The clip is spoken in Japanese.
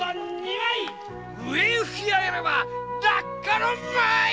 上へ吹き上げれば落下の舞い。